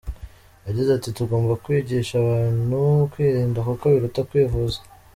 Yagize ati “Tugomba kwigisha abantu kwirinda kuko biruta kwivuza.